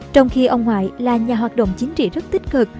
trong khi ông ngoại là nhà hoạt động chính trị rất tích cực